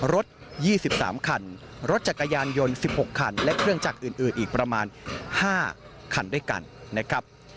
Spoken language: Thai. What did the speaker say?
รถ๒๓คันรถจักรยานยนต์๑๖คันและเครื่องจักรอื่นอีกประมาณ๕คันด้วยกันนะครับ